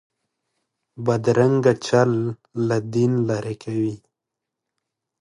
بدرنګه چل له دین لرې کوي